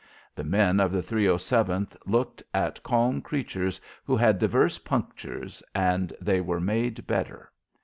The men of the 307th looked at calm creatures who had divers punctures and they were made better.